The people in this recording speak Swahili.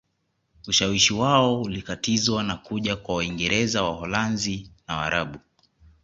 Ushawishi wao ulikatizwa na kuja kwa Waingereza Waholanzi na Waarabu